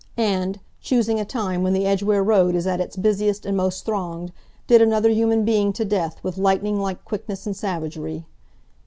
And, choosing a time when the Edgware Road is at its busiest and most thronged, did another human being to death with lightning like quickness and savagery.